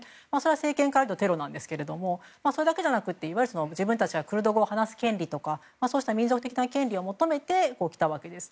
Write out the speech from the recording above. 政権からいうとテロですがそれだけじゃなくて自分たちがクルド語を話す権利とかそうした民族的な権利を求めてきたわけです。